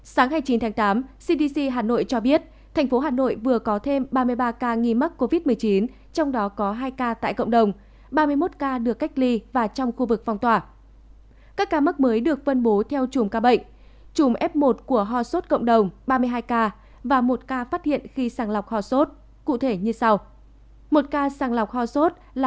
sáng hai mươi chín tháng tám cdc hà nội cho biết thành phố hà nội vừa có thêm ba mươi ba ca nghi mắc covid một mươi chín